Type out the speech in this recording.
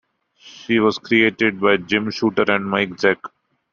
She was created by Jim Shooter and Mike Zeck.